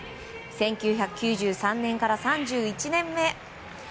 １９９３年から３１年目。